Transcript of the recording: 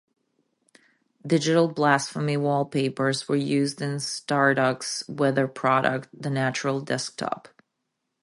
Digital Blasphemy wallpapers were used in Stardock's weather product, "The Natural Desktop".